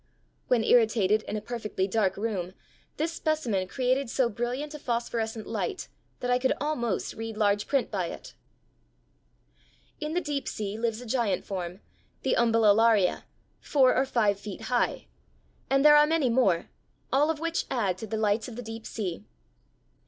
When irritated in a perfectly dark room this specimen created so brilliant a phosphorescent light that I could almost read large print by it. [Illustration: FIG. 43. Veretillum, a wonderful light giver.] In the deep sea lives a giant form, the Umbellularia, four or five feet high; and there are many more, all of which add to the lights of the deep sea.